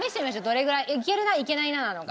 どれぐらいいけるないけないななのか。